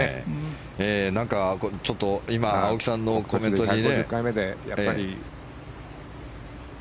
なんかちょっと今、青木さんのコメントに。